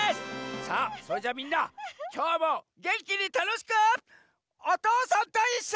さあそれじゃあみんなきょうもげんきにたのしく「おとうさんといっしょ」。